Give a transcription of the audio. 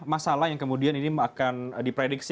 masalah yang kemudian ini akan diprediksi